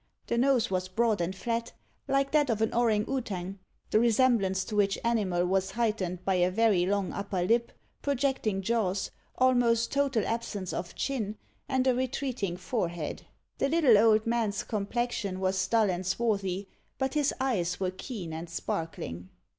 The nose was broad and flat, like that of an ourang outang; the resemblance to which animal was heightened by a very long upper lip, projecting jaws, almost total absence of chin, and a retreating forehead. The little old man's complexion was dull and swarthy, but his eyes were keen and sparkling.